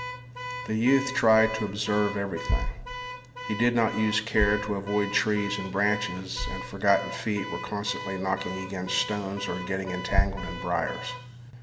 The youth tried to observe everything. He did not use care to avoid trees and branches, and his forgotten feet were constantly knocking against stones or getting entangled in briers.